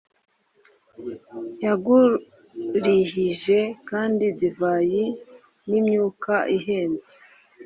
Yagurihije kandi divayi nimyuka ihenze